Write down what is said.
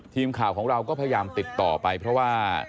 ทีมข่าวของเราก็พยายามติดต่อไปเพราะว่า